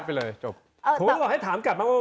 ผมบอกให้ถามกลับมาว่า